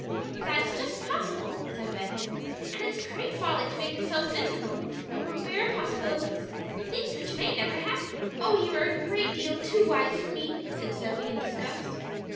"That's just possible," said Betty, "and it's great folly to make ourselves miserable over bare possibilities things which may never happen." "Oh, you are a great deal too wise for me!" said Zoe, in disgust.